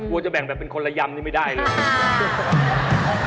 จะแบ่งแบบเป็นคนละยำนี่ไม่ได้เลย